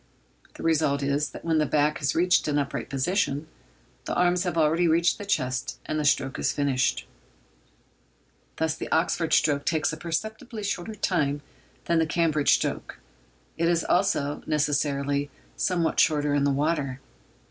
The result is, that when the back has reached an upright position, the arms have already reached the chest, and the stroke is finished. Thus the Oxford stroke takes a perceptibly shorter time than the Cambridge stroke; it is also, necessarily, somewhat shorter in the water.